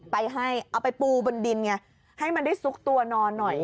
ไปให้เอาไปปูบนดินไงให้มันได้ซุกตัวนอนหน่อย